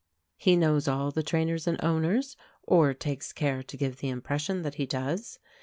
He knows all the trainers and owners, or takes care to give the impression that he does.